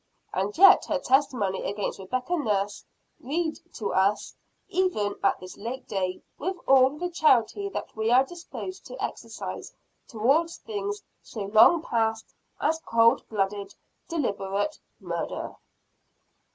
And yet her testimony against Rebecca Nurse, reads to us, even at this late day, with all the charity that we are disposed to exercise towards things so long past, as cold blooded, deliberate murder.